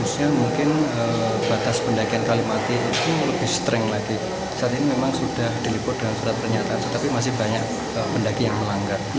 saat ini memang sudah diliput dengan surat pernyataan tetapi masih banyak pendaki yang melanggar